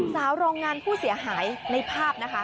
สาวโรงงานผู้เสียหายในภาพนะคะ